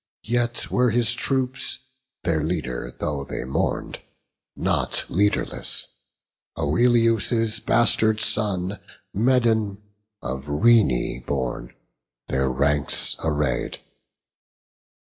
Yet were his troops, their leader though they mourn'd, Not leaderless: Oileus' bastard son, Medon, of Rhene born, their ranks array'd.